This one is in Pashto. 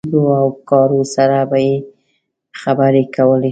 له تیږو او ګارو سره به یې خبرې کولې.